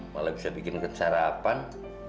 malah bisa bikinkan sarapan